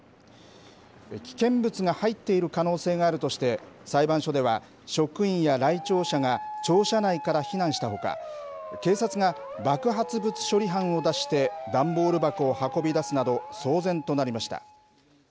危険物が入っている可能性があるとして、裁判所では、職員や来庁者が庁舎内から避難したほか、警察が爆発物処理班を出して、段ボール箱を運び出すなど、騒然となりました。